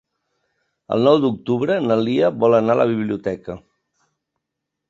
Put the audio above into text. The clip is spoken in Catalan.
El nou d'octubre na Lia vol anar a la biblioteca.